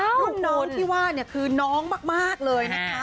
ลูกน้องที่ว่าเนี่ยคือน้องมากเลยนะคะ